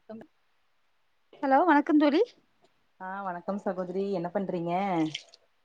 [inaudible] Hello வணக்கோ தோழி அ வணக்கோ சகோதரி என்ன பண்றீங்க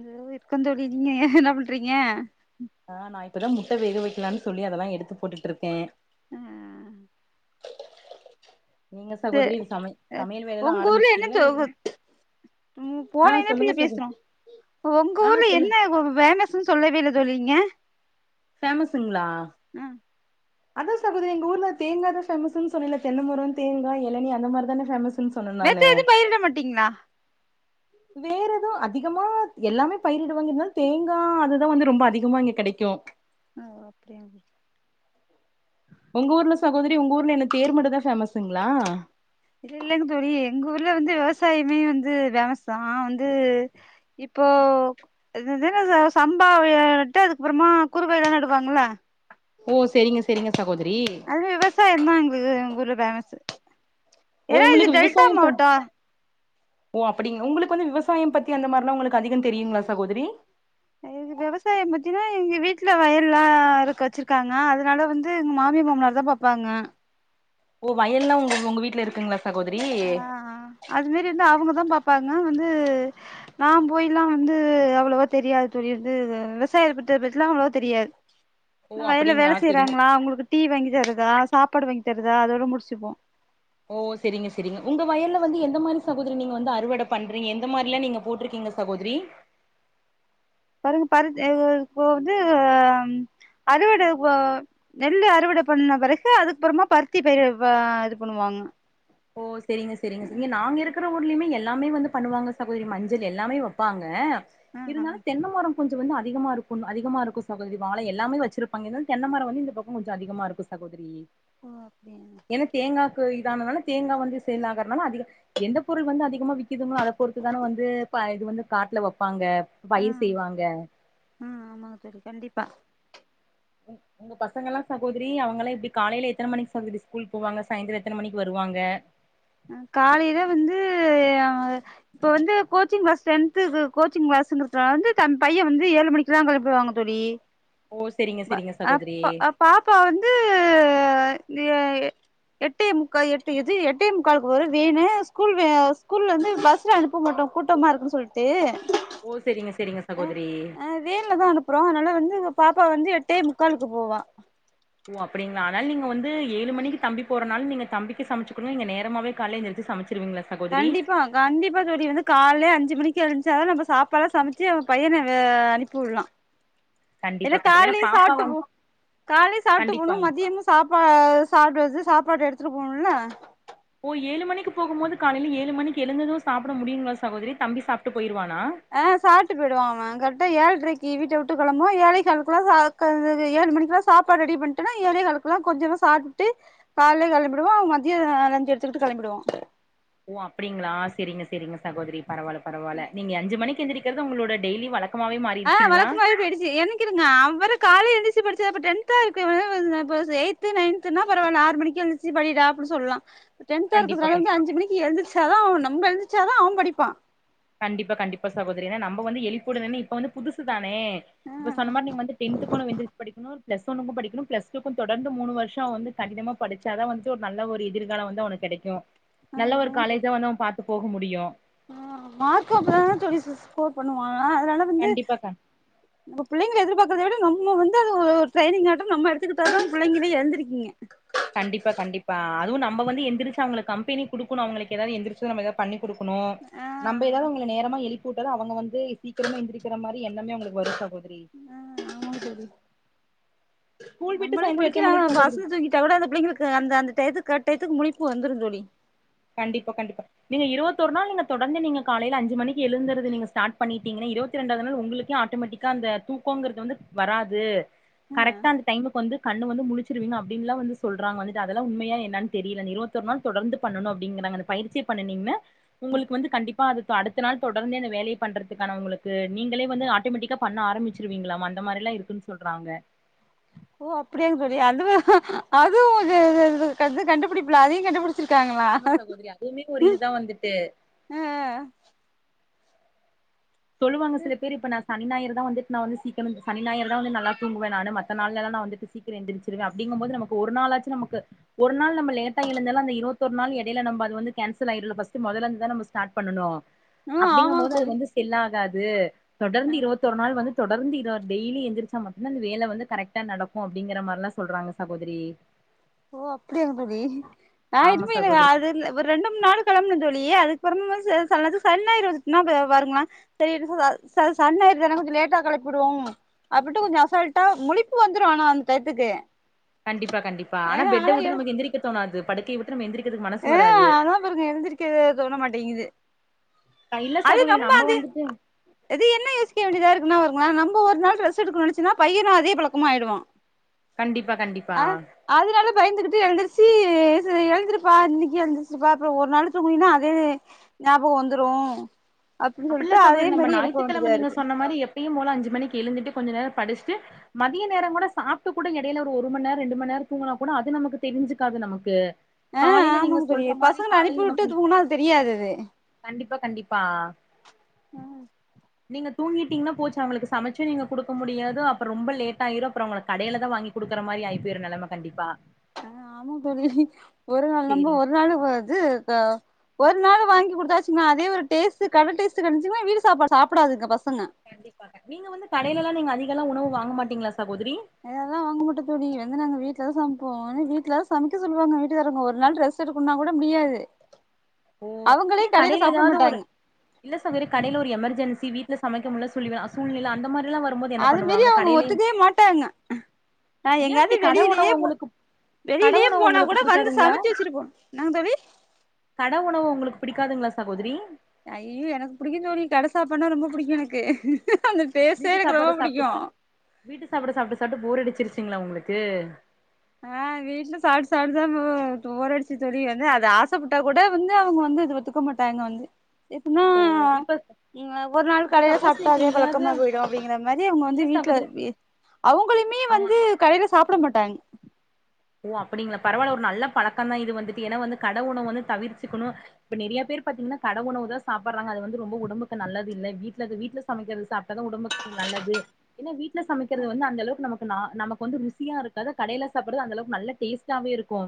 ஏதோ இருக்கென் தோழி நீங்க ஏன் என்ன பண்றீங்க அ நா இப்பதா முட்ட வேக வைக்கலாம்னு சொல்லி அதெல்லா எடுத்து போட்டுட்டு இருக்கே அ. அஅ நீங்க து சகோதரி சமை சமையல் வேலைல்லா உங்க ஊர்ல என்ன ஆரம்பிச்சிட்டீங்களா இல்ல தோக ம் போன ஆ என்ன பிள்ள சொல்லுங்க சகோ பேசுறோ உங்க ஆ ஊர்ல சொல்லு என்ன வேல சொல்லவேயில்ல தோழி நீங்க பேமஸுங்களா உ அதான் சகோதரி எங்க. ஊர்ல தேங்காய தான் பேபமஸ்ன்ன சொல்லல தெனைமரோ தேங்காய இளனி அந்த மாதிரி தானே பேமஸ் மத்த எதுவு பயிரிட மாட்டீங்கள்ள வேற எதவு அதிகமா எல்லாமே பயிரிடுவாங்க இருந்தாலா தேங்காய் அதுதா வந்து ரொம்ப அதிகமா இங்க கிடைக்கு அ ஒகே ஒங்க ஊர்ல சகோதரி ஒங்க ஊர்ல என்ன தேர்மட்டுந்தா ஃபேமஸுங்களா இல்லைங்க தோழி எங்க ஊர்ல வந்து விவசாயமே வந்து பேமஸ் தா வந்து இப்போ இ எது சம்பா ரெட்டு அதுக்கப்புறமா குறும்பயிருலா இடுவாங்கல ஓ செரிங்க செரிங்க சகோதரி அது விவசாயந்தா எங்களு எங்கூர்ல பேமஸ் ஓ ஏன்னா இது உங்களுக்கு டெல்டா விவசாயம் பண் மாவட்ட ஓ அப்படிங் ஒங்களுக்கு வந்து விவசாயம் பத்தி அந்த மாதிரி லா உங்களுக்கு அதிகம் தெரியுங்களா சகோதரி எங்க விவசாயம் பத்தீன்னா எங்க வீட்ல வயல்லா இருக்க வச்சிருக்காங்க அதனால வந்து எங்க மாமிய மாமனாரு தா பாப் பாங்க ஓ வயல்லா உங்க உங்க வீட்ல இருக்குங்ளா அ அது மாரி வந்து அவங்கதா பாப்பாங்க நா வந்து நா போய்லா வந்து அவ்வளவா தெரியாது தோழி விவசாய பத்திலா அவ்வளவோ தெரியாது ஓ ப்ச் வயல்ல வேல அப்டிங்களா செரிங்க செய்றாங்களா அவங்களுக்கு டீ வாங்கி தருதா சாப்பாடு வாங்கி தருதா அதோட முடிச்சுப்போ ஓ சரிங்க சரிங்க உங்க வயல்ல வந்து எந்த மாரி சகோதரி நீங்க வந்து அறுவட பண்றீங்க எந்த மாரில்லா நீங்க போட்ருக்கீங்க சகோதரி பாருங்க பாரு இது இப்போ வந்து அறுவடப்ப நெல்லு அறுவட பண்ண பெறகு அதுக்குப்புறமா பருத்தி பயிர இது பண்ணுவாங்க ஓ செரிங்க செரிங்க சகோத நாங்க இருக்கற ஊர்லயுமே எல்லாமே வந்து பண்ணுவாங்க சகோதரி மஞ்சள் எல்லாமே வப்பாங்க ஆ இருந்தாலு தென்னமர கொஞ்ச வந்து அதிகமா இருக்கு அதிகமா இருக்கு சகோதரி வாழ எல்லாமே வச்சிருப்பாங்க இருந்தாலு தென்ன மர வந்து இந்த பக்க கொஞ்ச அதிகமா இருக்கு சகோதரி ஓ அப்டியா ஏனா தேங்காய்க்கு இதானதால தேங்காய் வந்து சேல் ஆகறனால அதிக எந்த பொருள் வந்து அதிகமா விக்குதுங்களோ அத பொறுத்து தானே வந்து இது வந்து காட்ல வைப்பாங்க பயிர் ஆ செய்வாங்க ம் ஆமாங்க தோழி கண்டிப்பா உங்க பசங்கல்லா சகோதரி அவங்கலா எப்டி காலயில எத்தன மணிக்கு சகோதரி ஸ்கூல் போவாங்க சாயந்தர எத்தன மணிக்கு வருவாங்க காலையில வந்து இப்ப வந்து கோச்சிங் கிளாஸ் டென்துகு கோச்சிங் கிளாஸுகுற வந்து தன் பைய வந்து ஏழு மணிக் ல்லா கெளப்பிவாங்க தோழி ஓ செரிங்க செரிங்க அப் சகோதரி அப் பாப்பா வந்து எட்டே முக்கா எட்டு இது எது எட்டே முக்கால்க்கு வரு வேணு ஸ்கூல் வே ஸ்கூல் வந்து பஸ்ல அனுப்ப மாட்டோ கூட்டமா இருக்குன்னு சொல்ட் டு ஓ செரிங்க செரிங்க அ சகோதரி ஆ வேன்ல தா அனுப்புறோ அதனால வந்து பாப்பா வந்து எட்டே முக்காலுக்கு போவா ஓ அப்டிங்களா அதனால நீங்க வந்து ஏழு மணிக்கு தம்பி போறனால நீங்க தம்பிக்கு சமச்சு கொடுங்க நீங்க நேரமாவே கால்ல எந்திரிச்சு சமச்சிருவீங்களா சகோதரி கண்டிப்பா கண்டிப்பா தோழி வந்து கால்லே அஞ்சு மணிக்கு எழுந்துச்சாதா நம்ம சாப்பாடுல சமைச்சு அவன் பையன அனுப்பி வுடலா கண்டிப்பா ஏனா கண்டிப்பா ஏன்னா கால்லயு பாப்பா சாப்டு போ வந்து கால்லயு சாப்டு கண்டிப்பா போணு மத்தியமு சாப்பா சாப்புட்டு வச் சாப்பாடு எடுத்துட்டு போணுல்ல ஓ ஏழு மணிக்கு போகும்போது காலையில ஏழு மணிக்கு எழுந்தது சாப்புட முடியுங்களா சகோதரி தம்பி சாப்ட்டு போயிருவானா ஆ சாப்ட்டு போய்டுவ அவ கரக்டா ஏழ்ரைக்கு வீட்ட விட்டு கெளம்புவா ஏழே காலுக்குள்ளா சா வ வந்து ஏழு மணிக்குலா சாப்பாடு ரெடி பண்ணிட்டேன்னா ஏழேகாலுக்குலா கொஞ்சமா சாப்ட்டு காலிலே கெளம்பிடுவா அவ மத்யம் லஞ்ச் எடுத்துக்கிட்டு கெளம்பிடுவா ஓ அப்டிங்ளா சரிங்க சரிங்க சகோதரி பரவால பரவால நீங்க அஞ்சு மணிக்கு எந்திரி றது உங்களோட டெய்லி வழக்கமாவே மா ஆ வழக்கமாவே போயிடுச்சு எனக்கு இருங்க அவரு கால்ல எந்திச்சி படிச்ச டென்த் சப்போஸ் ஏய்த்து ‌நயன்துன்னா பரவா இல்ல ஆறு மணிக்கு எந்திச்சு படிடா அப்படின்னு சொல்லலாம் டென்தா கண்டிப்பா இருக்கிறதுனால கண் வந்து அஞ்சு மணிக்கு எந்திச்சாதா நம்ப எந்திச்சாதா அவன் படிப்பான் கண்டிப்பா கண்டிப்பா சகோதரி ஏன்னா நம் வந்து எழுப்பி விடலன்னு இப்ப வந்து புதுசு தானே ஆ இப்ப சொன்ன மாதிரி நீங்க வந்து டென்த் போன எந்திரிச்சி படிக்கணும் பிளஸ் ஒன்னுக்கும் படிக்கணும் பிளஸ் டூ க்கும் தொடர்ந்து மூணு வருஷம் வந்து கடிதமா படிச்சாதா வந்து ஒரு நல்ல ஒரு எதிர்காலம் வந்து அவனுக் கிடைக்கும் நல்ல ஒரு காலேஜா வந்து அவன் பாத்து போக முடியும் மார்க்கும் அப்பதான தோழி ஸ்கோர் பண்ணுவா அதனால வந்து கண்டிப்பாக்கா நம்ம பிள்ளைங்கள எதிர்பாக்குறத விட நம்ம வந்து அது ஒரு ட்ரைனி ஆட்டும் நம்ம எடுத்துக்கிட்டாதா பிள்ளைங்களே எந்திருக்கீங்க கண்டிப்பா கண்டிப்பா அதுவும் நம்ம வந்து எந்திரிச்சு அவுங்க கம்பெனி கொடுக்கணும் அவுங்களுக்கு ஏதாவது எந்திரிச்சு பண்ணி குடுக்கணும் ஆ நம்ம ஏதாவது அவுங்கள நேரமா எழுப் கூடலா அவுங்க வந்து சீக்கிரமா எந்திரிக்கிற மாதிரி எண்ணமே அவுங்களுக்கு வரும் சகோதரி ஆ ஆமாங்க தோழி ஸ்கூல் விட்டு நம்மளே சாயந்தரோ எத்தன மணிக்கு முளிக்காம சகோதரி அசந்து தூங்கி கூட அந்த பிள்ளைங்களுக்கு அந்த அந்த டயத்துக்கு கரெக்ட் டயத்துக்கு முழிப்பு வந்துரும் தோழி கண்டிப்பா கண்டிப்பா நீங்க இருபத்தொரு நாள் நீங்க தொடர்ந்து நீங்க காலையில அஞ்சு மணிக்கு எழுந்துருது ஸ்டார்ட் பண்ணீட்டிங்கனா இருபத்திரெண்டாவது நாள் உங்களுக்கே ஆட்டோமட்டிக் கா அந்த தூக்கோங்கிறது வந்து வராது கரெக்டா அந்த டைமுக்கு வந்து கண்ணு வந்து முழிச்சிருவிங்க அப்டின்லா வந்து சொல்றாங்க வந்துட்டு அதெல்லா உண்மையா என்னன் தெரியல இந்த இருவத்தொரு நாள் தொடர்ந்து பண்ணணும் அப்டிங்குறாங்க அந்த பயிற்சிய பண்ணுனீங்கன்னா உங்களுக்கு வந்து கண்டிப்பா அதக்கு அடுத்த நாள் தொடர்ந்தே அந்த வேலைய பண்றதுக்கான உங்களுக்கு நீங்களே வந்து ஆட்டோமேட்டிக் பண்ண ஆரம்பிச்சிருவீங்களாமா அந்த மாதிரில்லா இருக்குன் சொல்றாங்க ஓ அப்படியாங்க தோழி அதுவு அதுவும் இது கண்டுபிடிப்புல அதையும் கண்டுபிடிச்ச ஆமா சகோதரி அதுவுமே ஒரு இதுதா வந்துட்டு சொல்லுவாங்க சில பேர் இப்ப நா சனி ஞாயிறு தா வந்துட்டு நா வந்து சீக்கிரமா சனி ஞாயிறு தா வந்து நல்லா தூங்குவேன் நானு மத்த நாள்லல்ல நா வந்துட்டு சீக்கிரம் எந்திருச்சிருவேன் அப்படிங்கும்போது நமக்கு ஒரு நாள்ளாச்சும் நமக்கு ஒரு நாள் நம்ம லேட்டா எழுந்தாலு அந்த இருவத்தொரு நாள் இடையில நம்ப அந்து வந்து கேன்சல் ஆயிரு ஃபர்ஸ்ட் மொதல்ல இருந்து தான ஸ்டார்ட் பண்ணனு ஆ அப்படிங்கும் ஆமாங்க போது தோழி அது வந்து செல்லாதா அது தொடர்ந்து இருவத் தொரு நாள் வந்து தொடர்ந்து இது ஆர் டெய்லி எந்திரிச்சா மட்டும்தா இந்த வேல வந்து கரெக்டா நடக்கும் அப்படிங்கிற மாரில்லா சொல்றாங்க சகோதரி ஓ அப்படியாங்க தோழி நா ஆமா எதுமே இதுவர சகோதரி ஆல்ரெடி ஒரு ரெண்டு மூணு நாள் கிளம்புன தோழி அதுக்கப்புறமேட்டு சில நேரத்துக்கு சனி ஞாயிறு வந்துச்சுன்னா வருமா சேரி ச சனி ஞாயிரு தான கொஞ்சௌ லேட்டா கிளப்பிவிடுவோ அப்படும் கொஞ்சம் அசால்ட்டா முழிப்பு வந்துரும் ஆனா அந்த டயத்துக்கு கண்டிப்பா கண்டிப்பா ஆனா பெட்ட உட்டு நமக்கு எந்திரிக்கதோணாது படுக்கையவிட்டு நம் எந்திரிக்கிறதுக்கு மனசு ஆ வராது அதான் பாருங்க எழுந்திருக்க தோண மாட்டேங்குது அஹ் இல்ல அது சகோதரி நம்ம அது வந்துட்டு இது என்ன யோசிக்க வேண்டியதா இருக்குன்னா பாருங்கள நம்ம ஒரு நாள் ரெஸ்ட் எடுக்கணு நெனாச்சன்னா பையனு அதே பழக்கமாயிடும் கண்டிப்பா கண்டிப்பா ஆ அதனால பயந்துகிட்டு எழுந்துருச்சி எழு ப்பா இன்னைக்கு எழுந்திருச்சிருப்பா அப்புறோ ஒரு நாள் தூங்குனா அதே ஞாபகம் வந்துரும் அப்படி அப்படில்ல சொல்லிட்டு அதே மாதிரி எழுப்ப வேண்டியதா இருக்கு எப்பயும்போல அஞ்சு மணிக்கு எழுந்துட்டு கொஞ்ச நேரம் படிச்சுட்டு மதிய நேரோங்கூட சாப்ட்டு கூட எடையில ஒரு மணி நேரோ ரெண்டு மணி நேரோ தூங்கினா கூட அது நமக்கு தெரிஞ்சுக்காது நமக்கு ஆ காலையில நீங்க ஆமாங்க தோழி சொல்ற மாரி பசங்கள அனுப்பி காலையில விட்டு மட்டுந்தா தூங்குனா அது தெரியாது அது ம் நீங்க தூங்கீட்டீங்கன்னா போச்சு அவங்களுக்கு சமைச்சு நீங்க குடுக்க முடியாது அப்ப ரொம்ப லேட் ஆயிரு அப்ரோ அவங்கள கடையிலதா வாங்கி குடுக்கற மாரி ஆய்ப்போயிரு நெலம கண்டிப்பா ஆ ஆமா தோழி ஒரு நாள் நம்ப சேரி ஒரு நாள் போ து ஒரு நாள் வாங்கி குடுத்தாச்சின்னா அதே ஒரு டேஸ்ட் கடை டேஸ்ட் கிடைச்சுன்னா வீட்டு சாப்பாட சாப்டாதுங்க பசங்க நீங்க வந்து கடைலல்லா நீங்க அதிகெல்லா உணவு வாங்க மாட்டீங்களா சகோதரி அதெல்லா வாங்க மாட்டோ தோழி வந்து நாங்க வீட்டுல தா சமைப்போ ஆனா வீட்டுல சமைக்க சொல்லுவாங்க வீட்டுக்கராங்க ஒரு நாள் ரெஸ் வெச்சுட்ருக்கனுன்னா கூட முடியாது ஓ அவங்களே ஏ கடையில கடைல சாப்ட ஏதாவது ஒரு மாட்டாங்க இல்ல சகோதரி கடைல ஒரு எமர்ஜென்சி வீட்ல சமைக்முல்ல சொல்லி சூழ்நில அந்த மாரிலா வரும்போது என்ன அது மீரி பண்ணுவாங்க அவுங்க கடையிலயே ஒத்துக்கவே மாட்டாங்க ஆ ஏன் எங்காது இப்டி கட வெளிளயே உணவு போ உங்களுக்கு கட வெளிளயே உணவு போனா உங்களுக்கு கூட வந்து பிடிக்காதுங்களா சமைச்சு வெச்ட்டுபோ இன்னா தோளி கட உணவு உங்களுக்கு பிடிக்காதுங்களா சகோதரி ஐஐயோ எனக்கு புடிக்கு தோழி கட சாப்பாடுனா ரொம்ப பிடிக்கு எனக்கு அந்த டேஸ்டே வீட்டு எனக்கு ரொம்ப சாப்பாடு புடிக்கு சாப்ட்டு சா வீட்டு சாப்பாடு சாப்ட்டு சாப்ட்டு போர் அடிச்சிருச்சுங்களா உங்களுக்கு ஆ வீட்டுல சாப்ட்டு சாப்ட்டு சாப்ட்டு போர்ரடிச்சி தோழி வந்து அத ஆசைப்பட்டா கூட வந்து அவங்க வந்து இது ஒத்து க்க மாட்டாங்க வந்து எப்பின்னா ஓ இப்ப நீங்க ஒவ்வொரு நாள் இப்ப கடைல சப்போஸ் சாப்ட்டா நீங்க அதே எங்கேயாவது பழக்கமா போயிடு அப்டிங்கறமாரி அவங்க வந்து இல்ல வீட்ல சகோதரி வி அவங்களுமே ஆமா வந்து கடையில சாப்ட மாட்டாங் ஓ அப்டிங்களா பரவால்ல ஒரு நல்ல பழக்கந்தா இது வந்துட்டு ஏன்னா வந்து கட உணவ வந்து தவிர்ச்சுக்கணு இப்ப நெறியா பேரு பாத்தீங்கன்னா கட உணவுதா சாப்படறாங்க அது வந்து ரொம்ப உம்புக்கு நல்லது இல்ல வீட்ல அது வீட்ல சமைக்கறது சாப்ட்டாதா உடம்புக்கு நல்லது ஏன்னா வீட்ல சமைக்கறது வந்து அந்த அளவுக்கு நமக்கு நா நமக்கு வந்து ருசியா இருக்காது கடையில சாப்பட்றது அந்த அளவ்க் நல்ல டேஸ்டாவே இருக்கு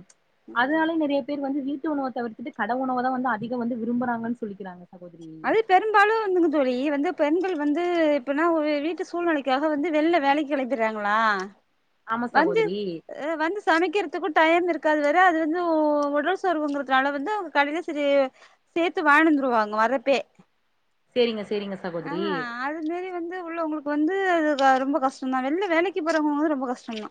அதனால நெறைய பேர் வந்து வீட்டு உணவத் தவிர்த்துட்டு கட உணவதா வந்து அதிக வந்து விரும்புறாங்கன்னு சொல்லிக்கறாங்க சகோதரி அது பெரும்பாலு வந்துங்க தோழி வந்து பெண்கள் வந்து இப்பனா ஒரு வீட்டு சூழ்நிலைக்காக வந்து வெளில வேலைக்கு கிளப்பிறாங்களா ஆமா சகோதரி வந்து சமைக்கறதுக்கு டைம் இருக்காது வேற அது வந்து உடல் சோர்வுங்கறதுனால வந்து அவுங்க கடைல சரி சேத்து வாங்கினு வந்துருவாங்க வர்ரப்பயே சேரிங்க சேரிங்க ஆ சகோதரி அதுமாரி வந்து உள்ள உங்களுக் இப்போ வந்து அது ரொ ரொம்ப கஷ்டந்தா வெளில வேலைக்கு போறவங்க வந்து ரொம்ப கஷ்டந்தா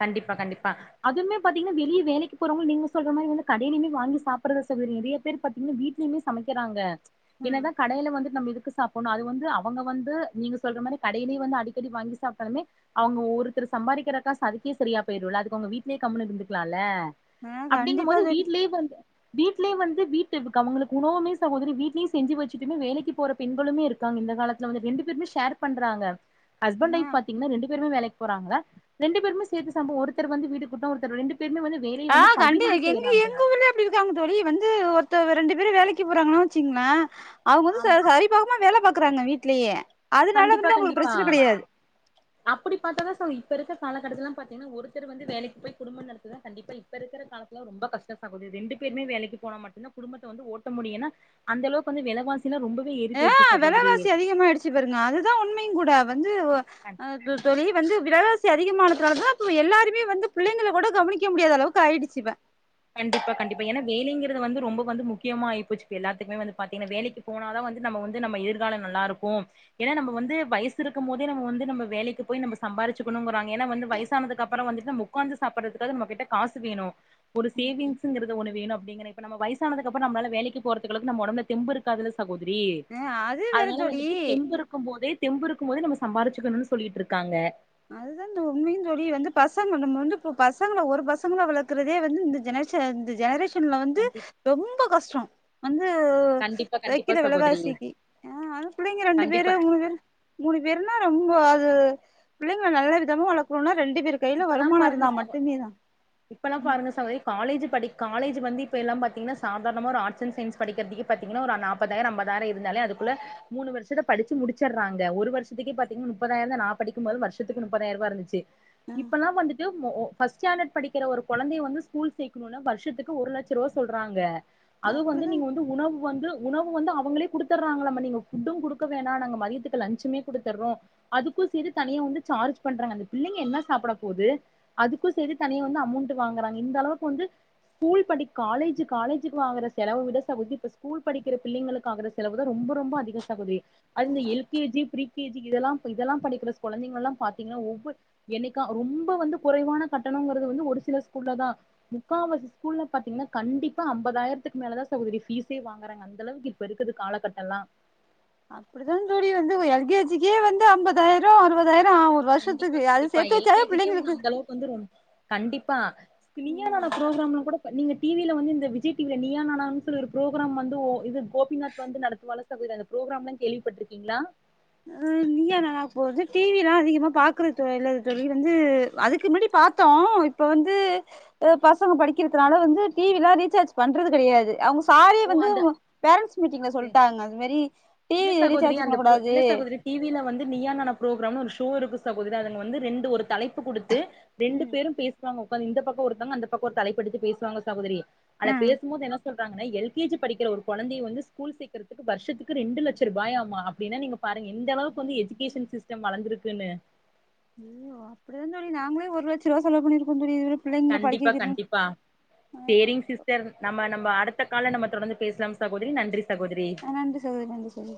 கண்டிப்பா கண்டிப்பா அதுமே பாத்தீங்கன்னா வெளிய வேலைக்கு போறவங்க நீங்க சொல்ற மாரி வந்து கடையிலயுமே வாங்கி சாப்டதுல சகோதரி நெறய பேரு பாத்தீங்கனா வீட்லயுமே சமைக்கறாங்க என்னதா கடையில வந்துட் நம்ம இதுக்கு சாப் போனு அது வந்து அவங்க வந்து நீங்க சொல்ற மாரி கடைலியு வந்து அடிக்கடி வாங்கி சாப்ட்டாலுமே அவுங்க ஒருத்தரு சம்பாரிக்கற காசு அதுக்கே சரியா போயிருல அதுக்கு அவங்க வீட்லயே கம்முனு இருந்துக்கலால ஆ அப்டிங்கும் கண்டிப்பா போது தோழி வீட்லயே வந்து வீட்லயே வந்து வீட்டு அவங்களுக்கு உணவுமே சகோதரி வீட்லயே செஞ்சு வெச்சுட்டுமே வேலைக்கு போற பெண்களுமே இருக்காங்க இந்த காலத்துல வந்து ரெண்டு பேருமே ஷேர் பண்றாங்க ஹஸ்பண்ட் ஆ வொய்ப் பாத்தீங்கன்னா ரெண்டு பேருமே வேலைக்கு போறாங்கள ரெண்டு பேருமே சேர்த்து சம்பவ ஒருத்தர் வந்து வீடு கூட்ணா ஒருத்தர் ரெண்டு பேருமே வந்து வேலைய வந்து பகிர்ந்து செய்றாங்க. ந்து இருக்காங்க தோழி வந்து ஒருத்த வ ரெண்டு பேரு வேலைக்கி போறாங்கனா வெச்சுக்ங்ளே அவுங்க வந்து ச ஆமா சார், சரி சமமா வேல பாக்கறாங்க வீட்லியே அதனால வந்து அவுங்களுக்கு பிரச்சன கெடையாது. அப்பிடி பாத்தாதா சோ இப்ப இருக்க காலகட்டத்துல்லா பாத்தீங்னா ஒருத்தர் வந்து வேலைக்கு போய் குடும்ப நடத்துதா கண்டிப்பா இ ப்ப இருக்கற காலத்துல ரொம்ப கஷ்டோ சகோதரி ரெண்டு பேருமே வேலைக்கு போனா மட்டுந்தா குடும்பத்த வந்து ஓட்ட முடியு ஏன்னா அந்த அளவுக்கு வந்து வெலவாசிலா ரொம்பவே ஏறிபோயிருச்சி சகோதரி. த்தி பாருங்க அதுதா உண்மையுங் கூட வந்து ஒ கண் இப்பத் தோழி வந்து விலவாசி அதிகமானதுனால தா இப்ப எல்லாருமே வந்து பிள்ளைங்கள கோட கவுனிக்க முடியாத அளவுக்கு ஆயிடுச்சி இப்ப கண்டிப்பா கண்டிப்பா ஏனா வேலைங்கிறது வந்து ரொம்போ வந்து முக்கியமா ஆயி போச்சு இப்ப எல்லாத்துக்குமே வந்து பாத்தீங்ன்னா வேலைக்கி போனாதா வந்து நம்ம வந்து நம்ம எதிர்காலோ நல்லாருக்கு ஏனா நம்ம வந்து வயசு இருக்கும் போதே நம்ம வந்து நம்ப வேலைக்கு போய் நம்ப சம்பாரிச்சுக்கணுங்கறாங்க ஏனா வந்து வயசானதுக்கு அப்றோ வந்து நம்போ உக்காந்து சாப்பட்றதுக்காது நம்மகிட்ட காசு வேணு. ஒரு சேவிங்ஸ்ங்கிறது ஒன்னு வேணு அப்டிங்கிறே இப்ப நம்ம வயசானதுக்கப்ற நம்மால வேலைக்கு போறதுக்கு அளவுக்கு நம்ம ஒடம்ப்ல தெம்பு இருக்காதுல்லஸ் சகோதரி ஆ அது வேற அதனால தோழி வந்துட்டு தெம்பு இருக்கும்போதே தெம்பு இருக்கும் போதே நம்ம சம்பாரிச்சுக்கணுன் சொல்லிட்ருக்காங்க. அதுதா இந்த உண்மையுந் தோழி வந்து பசங்க நம்ம வந்து ப்போ பசங்கள ஒரு பசங்கள வளக்கறதே வந்து இந்த ஜெனரேஷ் ச்ச இந்த ஜெனரேஷன்ல வந்து கண்டிப் ரொம்ப கஷ்டோ. வந்து கண்டிப்பா கண்டிப்பா வெக்கிற சகோதரி வெலவாசிக்கி ஆ அது புள்ளைங்க ரெண்டு கண்டிப்பா பேரு மூணு பேரு மூணு பேருனா ரொம்போ அது பிள்ளைங்கள நல்ல விதமா வளக்கணுனா ரெண்டு பேரு கைல இப்பெல்லாம் வருமானோ பாருங்க இருந்தா சகோ மட்டுமே தா இப்பெல்லா பாருங்க சகோதரி காலேஜு படி காலேஜு வந்து இப்ப எல்லாம் பாத்தீங்ன்னா சாதார்ணமா ஒரு ஆட்ஸ் அண் சயின்ஸ் படிக்கிறதுக்கே பாத்தீங்கனா ஒரு அன் நாப்பதாயிரோ அம்பதாயிரோ இருந்தாலே அதுக்குள்ள மூணு வருஷத்த படிச்சு முடிச்சர்றாங்க ஒரு வருஷ் இதுக்கே பாத்தீங்னா நுப்பதாயிரந்தா நா படிக்கும்போதுலா வருஷத்துக்கு நுப்பதாயிருவா இருந்துச்சி. ஆ இப்பல்லா வந்துட்டு மொ ஒ ஃபஸ்ட் ஸ்டாண்டடு படிக்கிற ஒரு கொழந்தைய வந்து ஸ்கூல் சேக்குணுனா வருஷத்துக்கு ஒரு லச் சருவா சொல்றாங்க அதுவு வந்து அப்டிதா நீங்க வந்து உணவு வந்து உணவு வந்து அவுங்களே குடுத்தர்றாங்களாமா நீங்க ஃபுட்டு குடுக்க வேணா நாங்க மதியத்துக்கு லன்ச்சுமே குடுத்தர்றோ அதுக்கு சேரி தனியா வந்து சார்ஜ் பண்றாங்க அந்த பிள்ளைங்க என்ன ஸ் சாப்பட போது அதுக்கு சேரி தனியா வந்து அமௌண்ட்டு வாங்கறாங்க. இந்த அளவுக்கு வந்து ஸ்கூல் படி காலேஜ் காலேஜுக்கு வாங்குற செலவு விட சகோதரி இப்ப ஸ்கூல் படிக்கிற பிள்ளைங்களுக் ஆகுற ஸ் செலவு தா ரொம்பொ ரொம்பொ அதிகோ சகோதரி. அது இந்த L K G pre K G க் இதெல்லாம்ப் இதெல்லாம் படிக்கிற ஸ் கொழந்திங்லெல்லாம் பாத்தீங்கனா ஒவ்வொ என்னைக்கா ரொம்பொ வந்து குறைவான கட்டணோங்கறது வந்து ஒரு சில ஸ்கூல்ல தா. முக்காவாசி ஸ்கூல்ல பாத்தீங்ன்னா கண்டிப்பா அம்பதாயிரத்துக்கு மேலதா சகோதரி ஃபீஸே வாங்குறாங்க. அந்த அளவுக்கு இப்ப இருக்குது காலகட்டல்லா. அப்பிடிதாந் தோழி வந்துவ் எல் கே ஜிக்கே வந்து அம்பதாயிரோ அறுவதாயிரோ ஆவு வருஷத்துக்கு அது சேத்து வெச்சாவே பிள்ளைங்குளுக்கு வந்துரும் கண்டிப்பா இப்ப நீயா நானா ப்ரோக்ராம்ல கூட ப நீங்கட் டி வில வந்து இந்த விஜய் டி வில நீயா நானான் சொல்லி ஒரு புரோகிராம் வந்து ஒ இது கோபிநாத் வந்து நடத்துவாலஸ் சகோதரி அந்த புரோகிராம்லா கேள்விப்பட்ருக்கிங்ளா? ம் நீயா நானா போது டி வி ல்லா அதிகமா பாக்குறத்து இல்ல தோழி வந்து அதுக்கு மிடிப் பாத் தோ இப்ப வந்து அ பசங்க படிக்கிறத்னால வந்து டி வி ல்லா ரீசார்ஜ் பண்றது கெடையாது அவுங்கஸ் சாரே ஓ வந்துவ் அந்த பேரண்ட்ஸ் மீட்டிங்ல சொல்ட்டாங்க இது மரி டி இல்ல வி சகோதரி ரீசார்ஜ் அந்த ப்ரோ பண்ணக்கூடாத் இல்ல சகோதர் டி வி ல வந்து நீயா நானா ப்ரோகிராம் ஒரு ஷோ இருக்கு சகோதரி அதுல வந்து ரெண்டு ஒரு தலைப்பு குடுத்து ரெண்டு ம் பேரு பேசுவாங்க உட்காந்து இந்த பக்கோ ஒருத்தங்க அந்த பக்கோ ஒரு தலைப் பெடுத்து பேசுவாங்க சகோதரி அல பேசும்போது என்ன சொல்றாங்கன்ன எல் கே ஜி படிக்கிற ஒரு கொழந்தைய வந்து ஸ்கூல் சேக்றதுக்கு வருஷத்துக்கு ரெண்டு லட்சரூபாயாம அப்டின்னா நீங்க பாருங்க எந்த அளவுக்கு வந்து எஜுகேஷன் சிஸ்டம் வளந்திருக்குன்னு அய்யயோ அப்டிதா தோழி நாங்ளே ஒருலட்ச ருவா செலவு பண்ணிருக்கோ தோழி இதுவர பிள்ளைங்ள கண்டிப்பா படிக்கவைக்கிற கண்டிப்பா சேரிங் சிஸ்டர் நம்ம நம்ம அடுத்த கால்ல நம்ம தொடர்ந்து பேசலாம் சகோதரி நன்றி சகோதரி நன்றி சகோதரி நன்றி சகோதரி